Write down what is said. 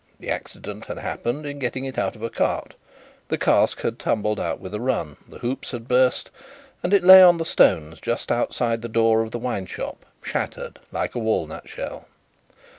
The accident had happened in getting it out of a cart; the cask had tumbled out with a run, the hoops had burst, and it lay on the stones just outside the door of the wine shop, shattered like a walnut shell.